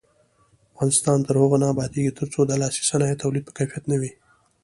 افغانستان تر هغو نه ابادیږي، ترڅو د لاسي صنایعو تولید په کیفیت نه وي.